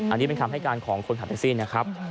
อันนี้เป็นคำให้การของคนขับแท็กซี่นะครับ